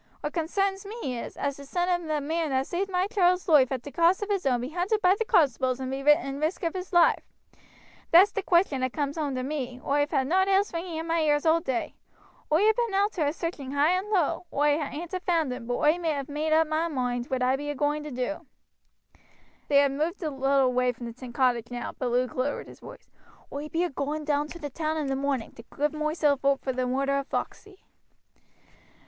What consarns me is, as the son of the man as saved my child's loife at t' cost of his own be hunted by the constables and be in risk of his loife. That's t' question as comes home to me oi've had nowt else ringing in my ears all day. Oi ha' been oot to a searching high and low. Oi ain't a found him, but oi ha made oop moi moind whaat I be agoing to do." They had moved a little away from the cottage now, but Luke lowered his voice: "Oi be agoing down to t' town in the morning to give moiself oop vor the murder of Foxey."